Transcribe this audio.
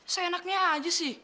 seenaknya aja sih